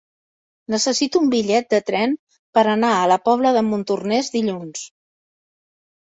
Necessito un bitllet de tren per anar a la Pobla de Montornès dilluns.